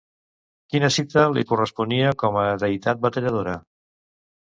Quina cita li corresponia com a deïtat batalladora?